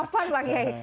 dua puluh delapan pak yai